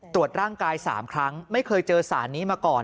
ตรวจร่างกาย๓ครั้งไม่เคยเจอสารนี้มาก่อน